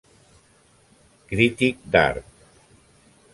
Crític d'Art.